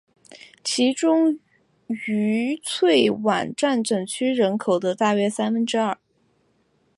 其中愉翠苑占整区人口的大约三分之二。